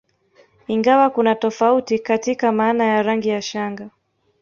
Ingawa kuna tofauti katika maana ya rangi ya shanga